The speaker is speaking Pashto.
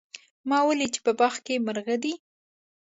ما ولیدل چې په باغ کې مرغۍ دي